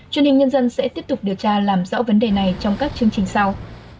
truyền hình nhân dân sẽ tiếp tục điều tra làm rõ vấn đề này trong các chương trình sau